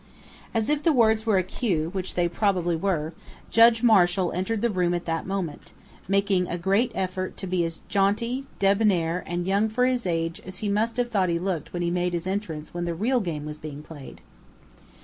As if the words were a cue which they probably were Judge Marshall entered the room at that moment, making a great effort to be as jaunty, debonair, and "young for his age" as he must have thought he looked when he made his entrance when the real game was being played.